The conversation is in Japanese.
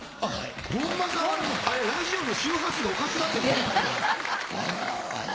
本間さんはでもラジオの周波数がおかしくなってる。